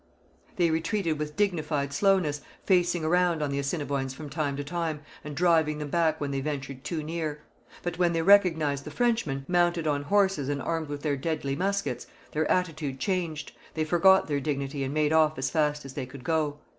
They retreated with dignified slowness, facing around on the Assiniboines from time to time, and driving them back when they ventured too near. But when they recognized the Frenchmen, mounted on horses and armed with their deadly muskets, their attitude changed; they forgot their dignity and made off as fast as they could go.